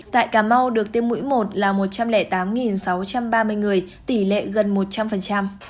tại cà mau được tiêm mũi một là một trăm linh tám sáu trăm ba mươi người tỷ lệ gần một trăm linh